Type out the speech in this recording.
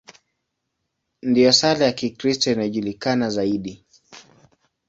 Ndiyo sala ya Kikristo inayojulikana zaidi.